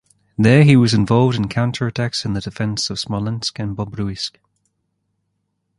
There he was involved in counterattacks in the defense of Smolensk and Bobruisk.